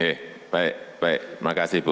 oke baik baik terima kasih bu